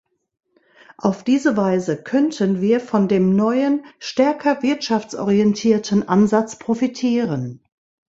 Auf diese Weise könnten wir von dem neuen, stärker wirtschaftsorientierten Ansatz profitieren.